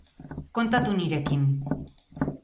Kontatu nirekin.